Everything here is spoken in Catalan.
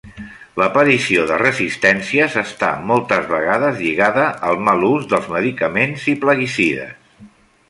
L'aparició de resistències està moltes vegades lligada al mal ús dels medicaments i plaguicides.